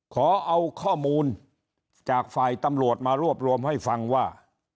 ขอเอาข้อมูลจากฝ่ายตำรวจมารวบรวมให้ฟังว่า